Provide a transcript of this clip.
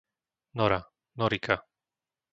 Nora, Norika